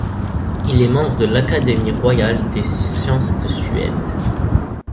Il est membre de l’Académie royale des sciences de Suède.